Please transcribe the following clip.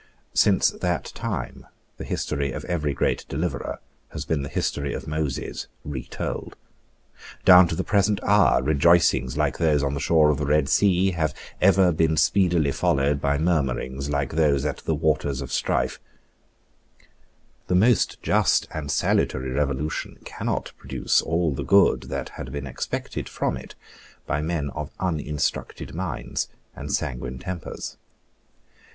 Since that time the history of every great deliverer has been the history of Moses retold. Down to the present hour rejoicings like those on the shore of the Red Sea have ever been speedily followed by murmurings like those at the Waters of Strife. The most just and salutary revolution must produce much suffering. The most just and salutary revolution cannot produce all the good that had been expected from it by men of uninstructed minds and sanguine tempers.